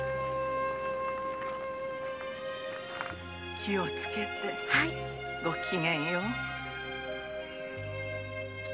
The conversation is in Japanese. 気をつけてごきげんよう。